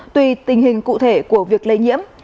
tùy tình hình cụ thể của việc lây nhiễm